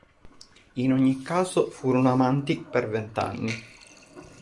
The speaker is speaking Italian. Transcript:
In ogni caso, furono amanti per vent’anni.